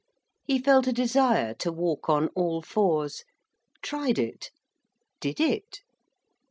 He felt a desire to walk on all fours tried it did it.